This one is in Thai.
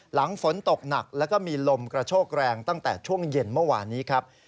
หลังฝนตกหนักแล้วก็มีลมกระโชกแรงตั้งแต่ช่วงเย็นเมื่อวานนี้ครับ